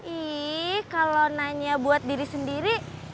ih kalau nanya buat diri sendiri